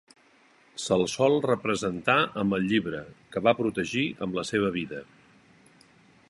Se'l sol representar amb el llibre, que va protegir amb la seva vida.